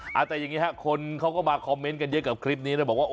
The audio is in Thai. แต่อย่างนี้ฮะคนเขาก็มาคอมเมนต์กันเยอะกับคลิปนี้นะบอกว่า